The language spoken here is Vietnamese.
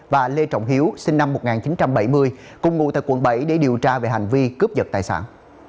và lê trọng hiếu sinh năm một nghìn chín trăm bảy mươi cùng ngụ tại quận bảy để điều tra về hành vi cướp giật tài sản